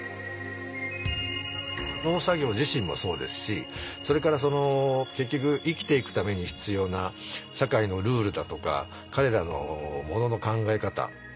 農作業自身もそうですしそれからその結局生きていくために必要な社会のルールだとか彼らのモノの考え方